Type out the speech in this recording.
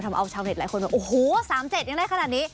ทำเอาชาวเห็นหลายคนโอ้โหสามเจ็ดยังได้ขนาดนี้